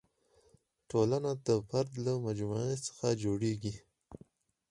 ټولنه د فرد له مجموعې څخه جوړېږي.